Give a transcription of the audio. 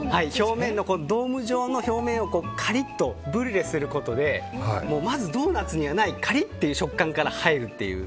ドーム状の表面をカリッとブリュレすることでまず、ドーナツにはないカリッという食感から入るっていう。